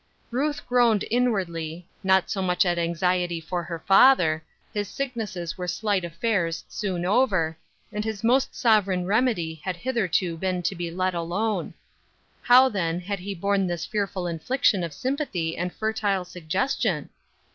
Ruth groaned inwardly, not so much at anxi ety for her father — his sicknesses were slight affairs soon over, and his most sovereign remedy had hitherto been to be let alone. How, then, had he borne this fearful infliction of sympathy and fertile suggestion